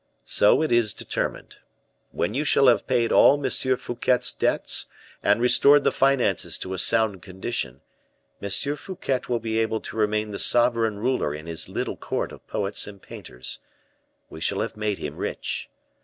So it is determined. When you shall have paid all M. Fouquet's debts, and restored the finances to a sound condition, M. Fouquet will be able to remain the sovereign ruler in his little court of poets and painters, we shall have made him rich.